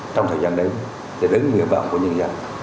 trong thời gian đến để đứng nguyện vọng của nhân dân